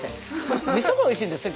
味噌がおいしいんですよ